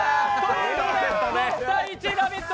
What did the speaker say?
６−１、ラヴィット！